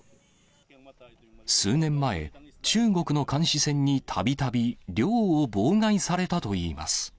数年前、中国の監視船にたびたび漁を妨害されたといいます。